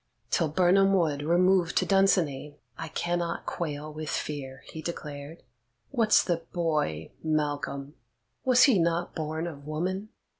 "Till Birnam Wood remove to Dunsinane, I cannot quail with fear," he declared. "What's the boy Malcolm? Was he not born of woman?